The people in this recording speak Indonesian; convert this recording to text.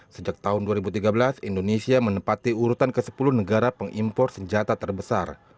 sejak tahun dua ribu tiga belas indonesia menempati urutan ke sepuluh negara pengimpor senjata terbesar